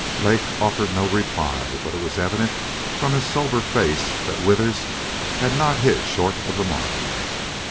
Lake offered no reply, but it was evident from his sober face that Withers had not hit short of the mark.